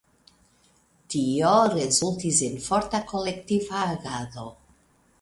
Tio rezultis en forta kolektiva agado.